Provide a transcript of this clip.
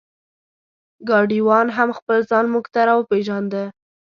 ګاډیوان هم خپل ځان مونږ ته را وپېژنده.